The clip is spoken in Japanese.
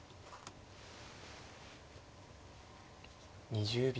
２０秒。